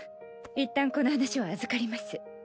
一旦この話は預かります。